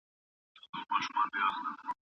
هغه خپل لاسونه په اوبو سره ومینځل.